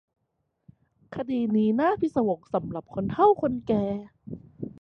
คดีนี้น่าพิศวงสำหรับคนเฒ่าคนแก่